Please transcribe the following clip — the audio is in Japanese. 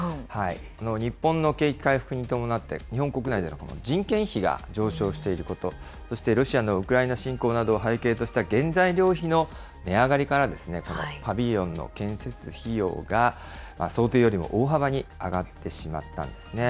日本の景気回復に伴って、日本国内での人件費が上昇していること、そしてロシアのウクライナ侵攻などを背景とした原材料費の値上がりから、このパビリオンの建設費用が想定よりも大幅に上がってしまったんですね。